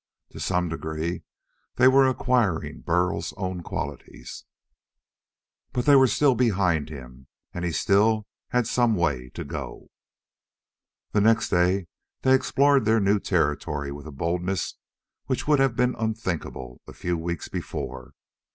To some degree they were acquiring Burl's own qualities. But they were still behind him and he still had some way to go. The next day they explored their new territory with a boldness which would have been unthinkable a few weeks before.